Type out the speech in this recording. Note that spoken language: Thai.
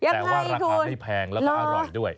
แต่ว่าราคาไม่แพงแล้วก็อร่อยด้วย